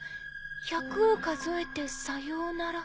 １００を数えてさようなら。